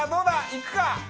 いくか？